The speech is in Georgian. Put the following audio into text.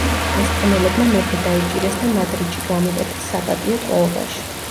ესპანელებმა მეფე დაიჭირეს და მადრიდში გამოკეტეს საპატიო ტყვეობაში.